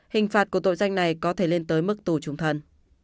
hình phạt của tội danh này có thể lên tới mức tù trung thân